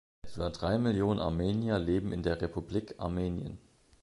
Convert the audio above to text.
Etwa drei Millionen Armenier leben in der Republik Armenien.